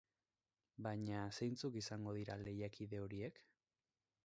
Baina, zeintzuk izango dira lehiakide horiek?